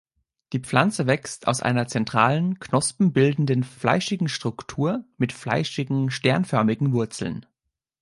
Die Pflanze wächst aus einer zentralen, knospenbildenden, fleischigen Struktur mit fleischigen, sternförmigen Wurzeln.